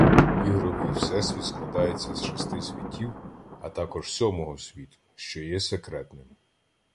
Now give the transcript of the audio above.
Ігровий всесвіт складається з шести світів, а також сьомого світу, що є секретним.